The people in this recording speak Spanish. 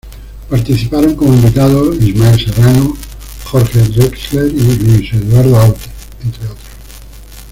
Participaron como invitados Ismael Serrano, Jorge Drexler y Luis Eduardo Aute, entre otros.